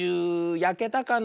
やけたかな。